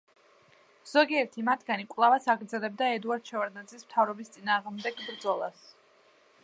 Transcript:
ზოგიერთი მათგანი კვლავაც აგრძელებდა ედუარდ შევარდნაძის მთავრობის წინააღმდეგ ბრძოლას.